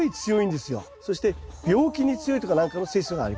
そして病気に強いとかなんかの性質があります。